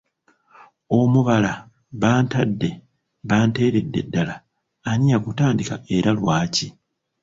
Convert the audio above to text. Omubala ‘Bantadde banteeredde ddala’ ani yagutandika era lwaki?